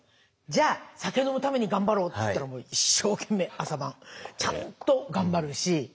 「じゃあ酒飲むために頑張ろう」って言ったら一生懸命朝晩ちゃんと頑張るし。